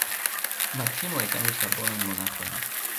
Maksimo ekamis la bonajn monaĥojn.